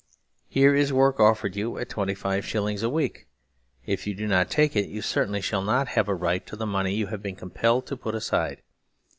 " Here is work offered you at twenty five shillings a week. If you do not take it you certainly shall not have a right to the money you have been compelled to put aside.